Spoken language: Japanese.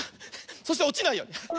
そしておちないように。